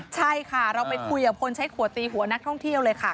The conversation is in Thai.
ใช่ค่ะเราไปคุยกับคนใช้ขวดตีหัวนักท่องเที่ยวเลยค่ะ